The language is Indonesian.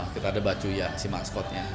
kita ada bacuian si maskotnya